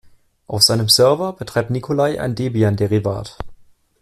Auf seinem Server betreibt Nikolai ein Debian-Derivat.